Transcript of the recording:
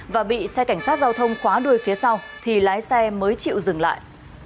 và bị xe cảnh sát giao thông khóa đuôi phía sau thì lái xe mới chịu dừng lại